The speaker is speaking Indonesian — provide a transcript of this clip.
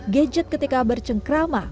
gadget ketika bercengkrama